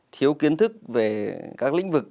thiếu kiến thức về các lĩnh vực